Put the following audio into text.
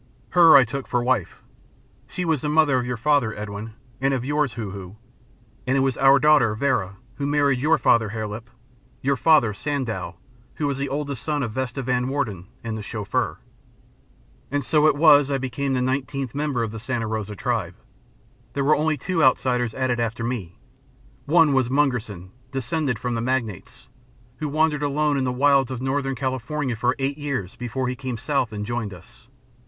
Her I took for wife. She was the mother of your father, Edwin, and of yours, Hoo Hoo. And it was our daughter, Vera, who married your father, Hare Lip your father, Sandow, who was the oldest son of Vesta Van Warden and the Chauffeur. "And so it was that I became the nineteenth member of the Santa Rosa Tribe. There were only two outsiders added after me. One was Mungerson, descended from the Magnates, who wandered alone in the wilds of Northern California for eight years before he came south and joined us.